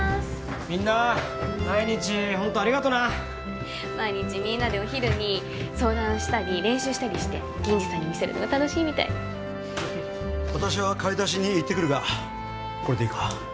みんな毎日ホントありがとな毎日みんなでお昼に相談したり練習したりして銀治さんに見せるのが楽しいみたい私は買い出しに行ってくるがこれでいいか？